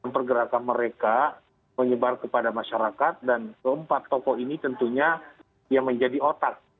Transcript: pergerakan mereka menyebar kepada masyarakat dan keempat toko ini tentunya yang menjadi otak